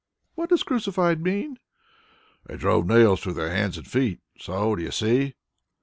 "What does 'crucified' mean?" "They drove nails through their hands and feet. So.... Do you see?"